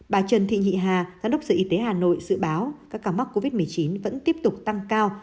bà trần thị nhị hà giám đốc sở y tế hà nội dự báo các ca mắc covid một mươi chín vẫn tiếp tục tăng cao